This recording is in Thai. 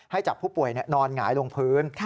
จับผู้ป่วยนอนหงายลงพื้น